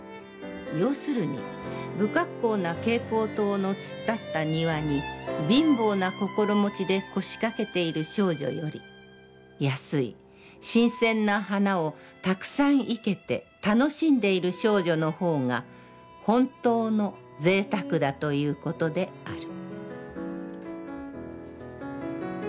要するに、不格好な蛍光灯の突っ立った庭に貧乏な心持で腰かけている少女より、安い新鮮な花をたくさん活けて楽しんでいる少女の方が、ほんとうの贅沢だということである」。